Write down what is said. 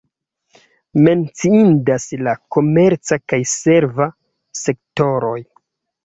Menciindas la komerca kaj serva sektoroj.